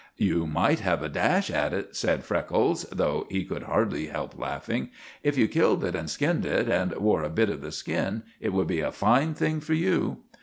"You might have a dash at it," said Freckles, though he could hardly help laughing. "If you killed it and skinned it, and wore a bit of the skin, it would be a fine thing for you."